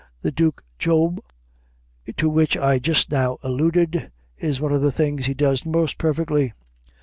The Duc Job, to which I just now alluded, is one of the things he does most perfectly.